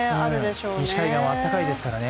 西海岸はあったかいですからね。